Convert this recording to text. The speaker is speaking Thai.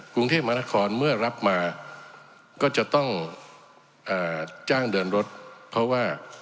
กรุงเทพมหานครเมื่อรับมาก็จะต้องจ้างเดินรถเพราะว่า